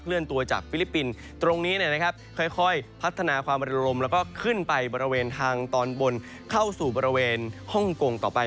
เลื่อนตัวจากฟิลิปปินส์ตรงนี้ค่อยพัฒนาความระลมแล้วก็ขึ้นไปบริเวณทางตอนบนเข้าสู่บริเวณฮ่องกงต่อไป